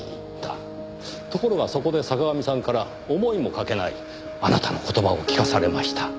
ところがそこで坂上さんから思いもかけないあなたの言葉を聞かされました。